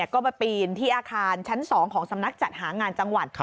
ก็มาปีนที่อาคารชั้น๒ของสำนักจัดหางานจังหวัด